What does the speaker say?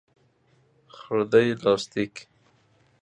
خرده لاستیک